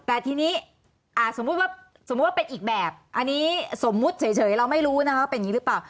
แต่ทีนี้สมมุติว่าสมมุติว่าเป็นอีกแบบอันนี้สมมุติเฉยเราไม่รู้นะคะเป็นอย่างนี้หรือเปล่า